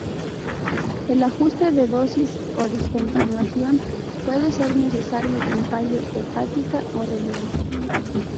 El ajuste de dosis o discontinuación puede ser necesario con fallo hepática o renal.